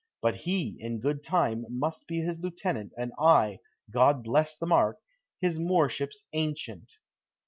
But he, in good time, must be his lieutenant, and I God bless the mark! his Moorship's ancient."